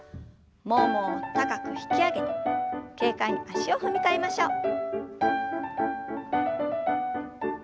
ももを高く引き上げて軽快に足を踏み替えましょう。